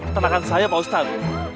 pertanakan saya pak ustad